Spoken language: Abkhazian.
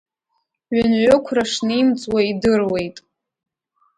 Ҩынҩықәра шнимҵуа идыруеит.